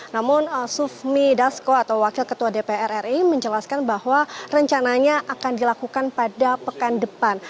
namun sufmi dasko atau wakil ketua dpr ri menjelaskan bahwa rencananya akan dilakukan pada pekan depan